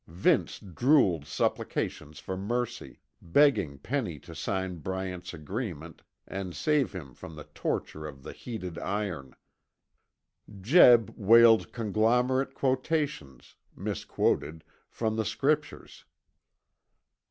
Vince drooled supplications for mercy, begging Penny to sign Bryant's agreement and save him from the torture of the heated iron. Jeb wailed conglomerate quotations, misquoted, from the Scriptures.